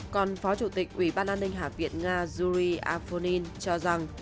còn phó chủ tịch ủy ban an ninh hạ viện nga yuri afonin cho rằng